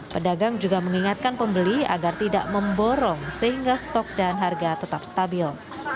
pedagang juga mengingatkan pembeli agar tidak memborong sehingga stok dan harga tetap stabil